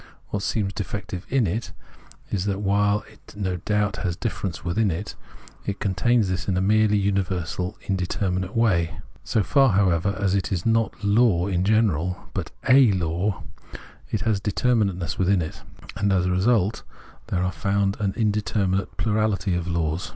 What seems defective in it is that while it no doubt has difference within it, it contains this in a merely universal indeterminate way. So far, however, as it is not law in general, but a law, it has determinate ness within it ; and as a result there are found an indeterminate plurahty of laws.